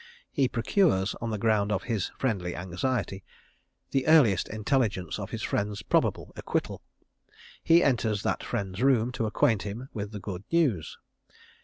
He procures, on the ground of his friendly anxiety, the earliest intelligence of his friend's probable acquittal. He enters that friend's room to acquaint him with the good news.